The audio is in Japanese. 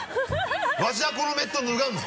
わしはこのメット脱がんぞ！